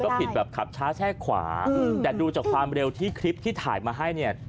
ก็ผิดแบบขับช้าแช่ขวาแต่ดูจากความเร็วที่คลิปที่ถ่ายมาให้เนี่ย